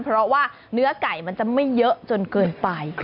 เพราะว่าเนื้อไก่มันจะไม่เยอะจนเกินไป